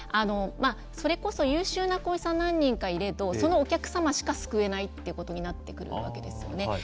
それこそ優秀な行員さん何人かいれどそのお客様しか救えないということになってくるわけですよね。